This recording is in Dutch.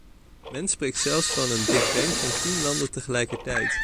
Men spreekt zelfs van een big bang van tien landen tegelijkertijd.